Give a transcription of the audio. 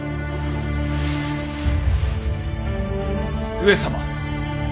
上様。